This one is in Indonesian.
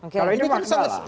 kalau ini makna lah